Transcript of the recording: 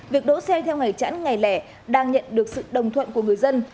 việc đỗ xe theo ngày chẵn ngày lẻ đang nhận được sự đồng thuận của người dân